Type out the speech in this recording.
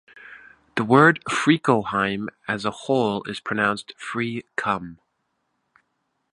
The word 'Friockheim' as a whole, is pronounced 'Free-come'.